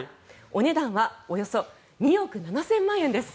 お値段はおよそ２億７０００万円です。